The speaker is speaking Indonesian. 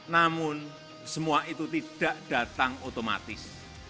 namun semua itu tidak datang otomatis